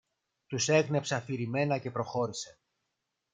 Τους έγνεψε αφηρημένα και προχώρησε